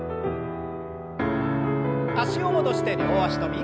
脚を戻して両脚跳び。